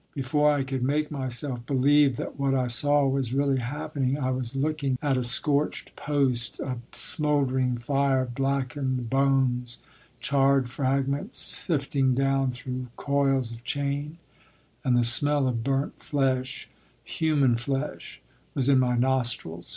Before I could make myself believe that what I saw was really happening, I was looking at a scorched post, a smoldering fire, blackened bones, charred fragments sifting down through coils of chain; and the smell of burnt flesh human flesh was in my nostrils.